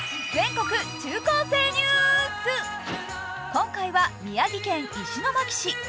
今回は宮城県石巻市。